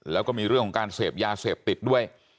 แล้วก็มีเรื่องของการเสพยาเสพติดด้วย